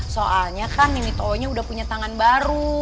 soalnya kan mimito nya udah punya tangan baru